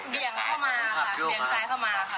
เบี่ยงเข้ามาค่ะเบี่ยงซ้ายเข้ามาค่ะ